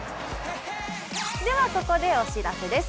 ではここでお知らせです。